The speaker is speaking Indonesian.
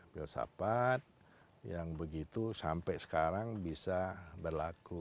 filsafat yang begitu sampai sekarang bisa berlaku